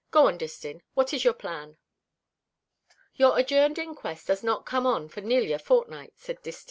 "Go on, Distin. What is your plan?" "Your adjourned inquest does not come on for nearly a fortnight," said Distin.